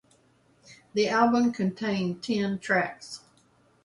The album contained ten tracks.